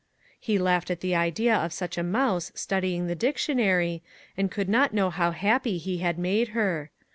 He laughed at the idea of such a mouse studying the dictionary, and could not know how happy he had made her.